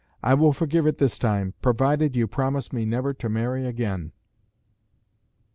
I will forgive it this time, provided you promise me never to marry again."